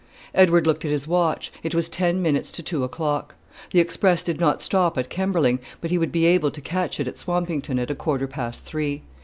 Edward looked at his watch. It was ten minutes to two o'clock. The express did not stop at Kemberling; but he would be able to catch it at Swampington at a quarter past three.